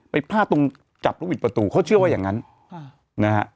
พลาดตรงจับลูกบิดประตูเขาเชื่อว่าอย่างนั้นนะฮะ